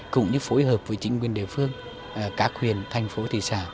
cũng như phối hợp với chính quyền địa phương các huyền thành phố thị xã